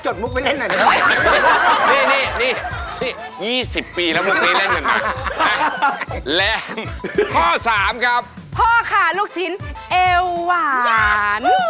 ไหวพัดเป็ดตะพึด